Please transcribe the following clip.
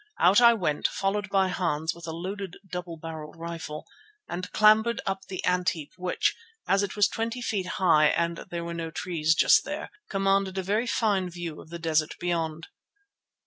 Out I went, followed by Hans with a loaded double barrelled rifle, and scrambled up the ant heap which, as it was twenty feet high and there were no trees just here, commanded a very fine view of the desert beyond.